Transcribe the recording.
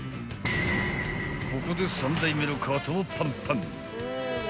［ここで３台目のカートもパンパン］